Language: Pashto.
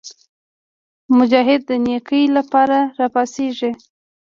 مجاهد د نیکۍ لپاره راپاڅېږي.